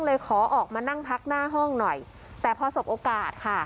ขอออกมานั่งพักหน้าห้องหน่อยแต่พอสบโอกาสค่ะ